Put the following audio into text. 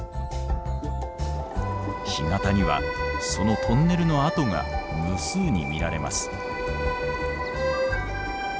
干潟にはそのトンネルの跡が無数に見られます。